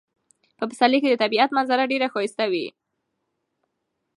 په پسرلي کې د طبیعت منظره ډیره ښایسته وي.